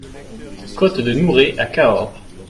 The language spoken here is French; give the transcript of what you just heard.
Côte de Nouret à Cahors